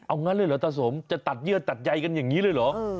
เอางั้นเลยเหรอตาสมจะตัดเยื่อตัดใยกันอย่างนี้เลยเหรอ